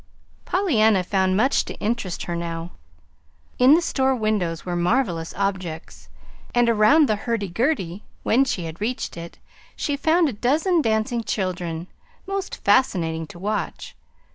Pollyanna found much to interest her now. In the store windows were marvelous objects, and around the hurdy gurdy, when she had reached it, she found a dozen dancing children, most fascinating to watch.